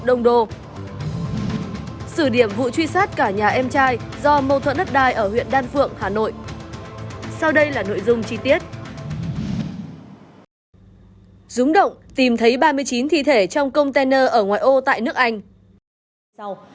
dúng động tìm thấy ba mươi chín thi thể trong container ở ngoài ô tại nước anh